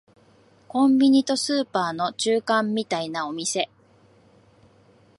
コンビニとスーパーの中間みたいなお店